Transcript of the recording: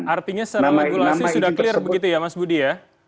oke artinya selangkulasi sudah clear begitu ya mas budi ya